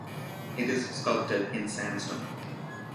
It is sculpted in sandstone.